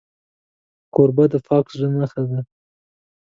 کوربه د پاک زړه نښه وي.